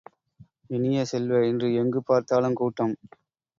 இனிய செல்வ, இன்று எங்கு பார்த்தாலும் கூட்டம்!